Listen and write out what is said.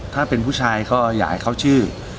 ถ้าเป็นผู้ชายก็อยากให้เขาชื่อ